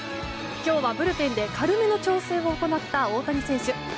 今日はブルペンで軽めの調整を行った大谷選手。